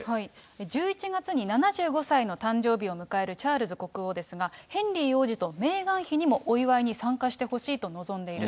１１月に７５歳の誕生日を迎えるチャールズ国王ですが、ヘンリー王子とメーガン妃にもお祝いに参加してほしいと望んでいる。